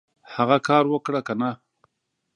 هغه کار اوکړه کنه !